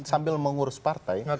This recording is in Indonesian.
sambil mengurus partai